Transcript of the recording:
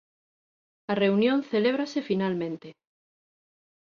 A reunión celébrase finalmente.